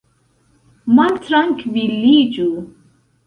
maltrankviliĝu